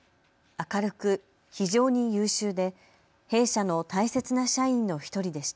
明るく非常に優秀で弊社の大切な社員の一人でした。